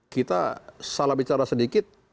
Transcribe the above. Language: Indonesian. kita salah bicara sedikit